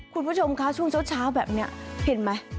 คุณผู้ชมคะช่วงเช้าแบบนี้เห็นไหม